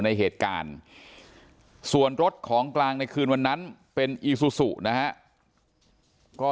ในเหตุการณ์ส่วนรถของกลางในคืนวันนั้นเป็นอีซูซูนะฮะก็